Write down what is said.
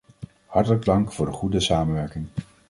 Hartelijk dank voor de goede samenwerking!